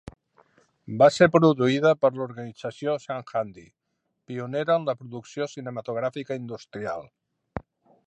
Va ser produïda per l'organització Jam Handy, pionera en la producció cinematogràfica industrial.